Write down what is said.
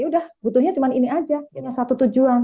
ya udah butuhnya cuma ini aja ini satu tujuan